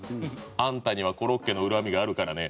「あんたにはコロッケのうらみがあるからね」